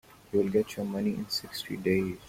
You'll get your money in sixty days.